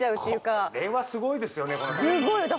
これはすごいですよね